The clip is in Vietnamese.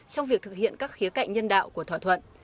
trong việc thực hiện các khía cạnh nhân đạo của thỏa thuận